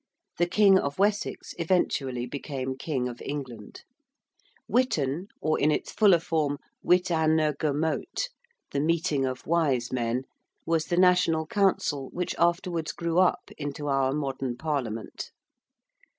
The king of Wessex eventually became king of England. ~Witan~, or in its fuller form ~wit an a ge mote~, the 'meeting of wise men,' was the national council which afterwards grew up into our modern parliament.